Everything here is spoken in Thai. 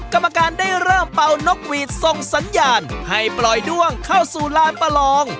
กรรมการได้เริ่มเป่านกหวีดส่งสัญญาณให้ปล่อยด้วงเข้าสู่ลานประลอง